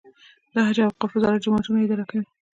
د حج او اوقافو وزارت جوماتونه اداره کوي